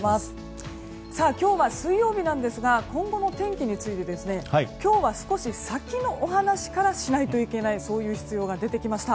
今日は水曜日なんですが今後の天気について今日は少し先のお話からしないといけないそういう必要が出てきました。